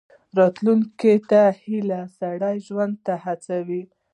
راتلونکي ته هیله، سړی ژوند ته هڅوي.